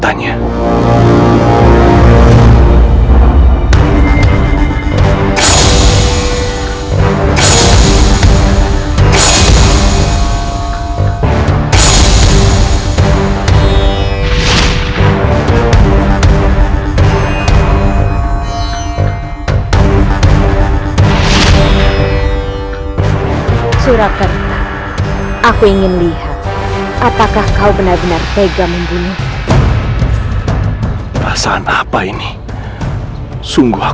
ingin berjadi granah